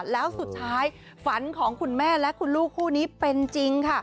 แล้วสุดท้ายฝันของคุณแม่และคุณลูกคู่นี้เป็นจริงค่ะ